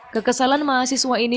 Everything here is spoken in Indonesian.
kekesalan mahasiswa ini